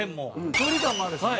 距離感もあるしね。